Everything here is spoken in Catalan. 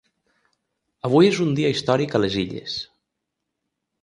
Avui és un dia històric a les Illes.